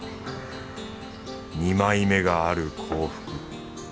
２枚目がある幸福。